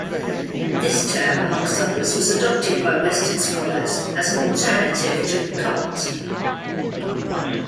This term, amongst others, was adopted by Western scholars as an alternative to "cult".